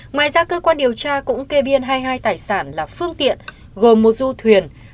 ngoài ra cơ quan điều tra cũng kê biên hai mươi hai tài sản là phương tiện gồm một du thuyền